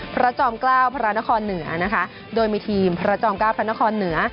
จอมเกล้าพระนครเหนือนะคะโดยมีทีมพระจอมเก้าพระนครเหนือ